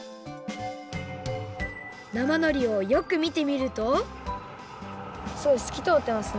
なまのりをよくみてみるとすごいすきとおってますね。